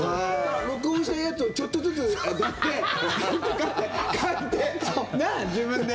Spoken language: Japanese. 録音したやつをちょっとずつやってなんとかって書いてなあ、自分で。